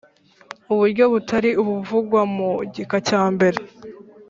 uburyo butari ubuvugwa mu gika cya mbere